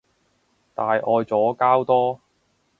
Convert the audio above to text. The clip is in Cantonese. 大愛左膠多